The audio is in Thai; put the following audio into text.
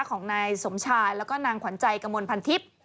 ของนายสมชายแล้วก็นางขวัญใจกระมวลพันทิพย์